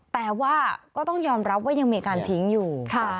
แต่ว่าก็ต้องยอมรับว่ายังมีการทิ้งอยู่